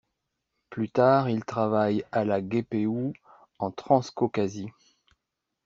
Plus tard, il travaille à la Guépéou en Transcaucasie.